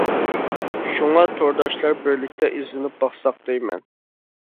شۇڭا تورداشلار بىرلىكتە ئىزدىنىپ باقساق دەيمەن.